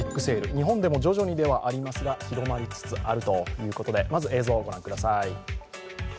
日本でも徐々にではありますが広まりつつあるということでまず映像を御覧ください。